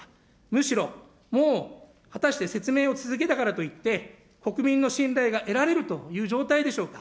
むしろ、もう、果たして説明を続けたからといって、国民の信頼が得られるという状態でしょうか。